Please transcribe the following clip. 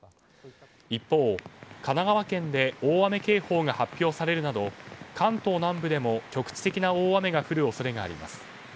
一方、神奈川県で大雨警報が発表されるなど関東南部でも局地的な大雨が降る恐れがあります。